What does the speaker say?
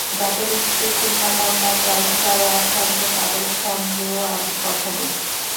যাঁদের স্ত্রী কিংবা কন্যা ক্যানসারে আক্রান্ত, তাঁদের সঙ্গেও আমি কথা বলি।